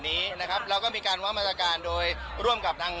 นี้นะครับเราก็มีการความปลอดภัยโดยร่วมกับทาง